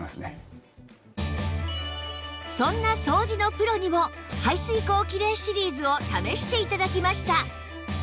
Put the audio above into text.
そんな掃除のプロにも排水口キレイシリーズを試して頂きました